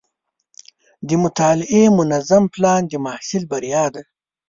د مطالعې منظم پلان د محصل بریا ده.